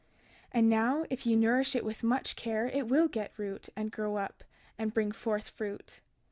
And now behold, if ye nourish it with much care it will get root, and grow up, and bring forth fruit.